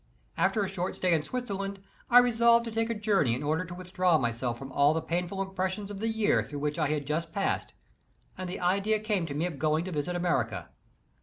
After a short stay in Switzerland, I resolved to take a journey in order to withdraw myself from all the painful impressions of the year through which I had just passed, and the idea came to me of going to visit America.